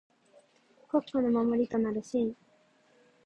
国家の守りとなる臣。